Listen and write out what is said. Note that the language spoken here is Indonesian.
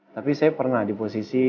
tapi saya pernah di posisi